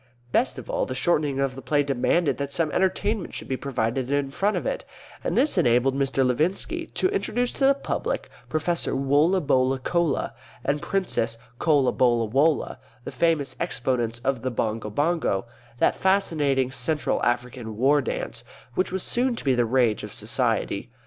Best of all, the shortening of the play demanded that some entertainment should be provided in front of it, and this enabled Mr. Levinski to introduce to the public Professor Wollabollacolla and Princess Collabollawolla, the famous exponents of the Bongo Bongo, that fascinating Central African war dance, which was soon to be the rage of society.